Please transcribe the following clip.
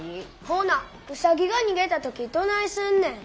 ほなウサギが逃げた時どないすんねん。